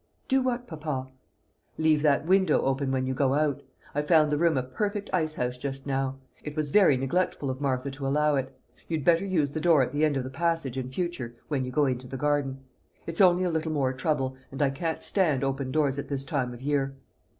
"Do what, papa?" "Leave that window open when you go out. I found the room a perfect ice house just now. It was very neglectful of Martha to allow it. You'd better use the door at the end of the passage in future, when you go into the garden. It's only a little more trouble, and I can't stand open windows at this time of year."